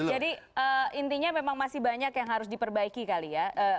jadi intinya memang masih banyak yang harus diperbaiki kali ya